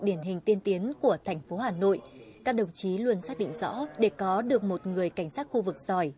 các nhà tổ chức của thành phố hà nội các đồng chí luôn xác định rõ để có được một người cảnh sát khu vực giỏi